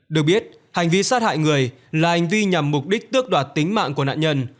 được biết hành vi sát hại người là hành vi nhằm mục đích tước đoạt tính mạng của nạn nhân